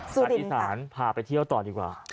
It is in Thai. สุดินค่ะอาทิตย์ศาลพาไปเที่ยวต่อดีกว่า